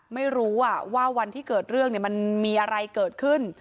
ไม่รู้ว่าวันที่เกิดเรื่องมันมีอะไรเกิดขึ้น